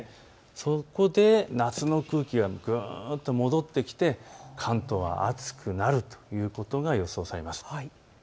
そこで夏の空気がぐっと戻ってきて関東は暑くなるということが予想されます。